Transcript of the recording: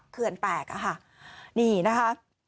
เคลื่อนแปลกอ่ะค่ะนี่นะคะ